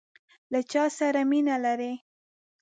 له چاسره مینه لرئ؟